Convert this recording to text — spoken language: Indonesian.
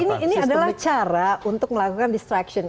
ini adalah cara untuk melakukan distraction